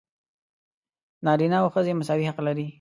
نارینه او ښځې مساوي حق لري.